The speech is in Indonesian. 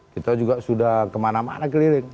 kita juga sudah kemana mana keliling